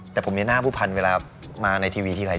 แต่ผมมีหน้าผู้พันธุ์เวลามาในทีวีทีไร